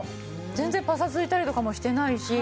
全然パサついたりとかもしてないし。